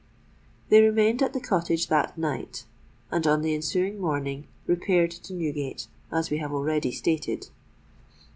They remained at the Cottage that night; and on the ensuing morning repaired to Newgate, as we have already stated.